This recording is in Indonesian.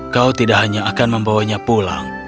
kau tidak hanya akan membawanya pulang